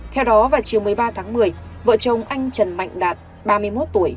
theo đó vào chiều một mươi ba tháng một mươi vợ chồng anh trần mạnh đạt ba mươi một tuổi